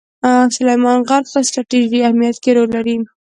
سلیمان غر په ستراتیژیک اهمیت کې رول لري.